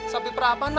sampe perapan maksudnya